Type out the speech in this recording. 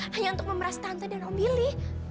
hanya untuk memeras tante dan om bili